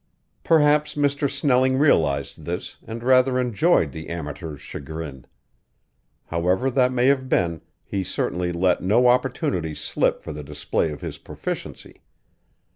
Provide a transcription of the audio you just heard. Perhaps Mr. Snelling realized this and rather enjoyed the amateur's chagrin. However that may have been, he certainly let no opportunity slip for the display of his proficiency.